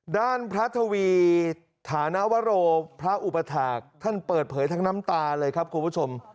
ด้านพระทวีฐานวโรพระอุปถาคท่านเปิดเผยทั้งน้ำตาเลยครับคุณผู้ชม